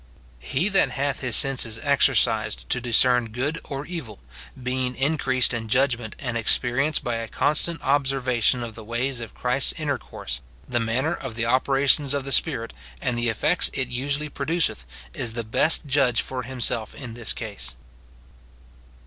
He that hath his senses exercised to discern good or evil, being increased in judgment and experience by a constant observation of the ways of Christ's intercourse, the manner of the operations of the Spirit, and the effects it usually produceth, is the best judge for himself in this case.